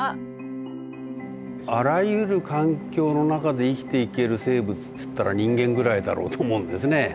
あらゆる環境の中で生きていける生物っつったら人間ぐらいだろうと思うんですね。